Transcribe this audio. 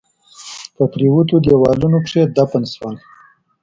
په پريوتو ديوالونو کښ دفن شول